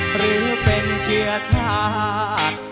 หรือเป็นเชื้อชาติ